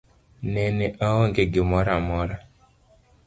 Nene aonge gimoro amora.